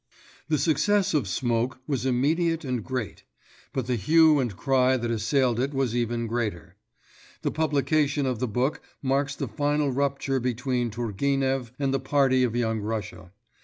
The success of Smoke was immediate and great; but the hue and cry that assailed it was even greater. The publication of the book marks the final rupture between Turgenev and the party of Young Russia.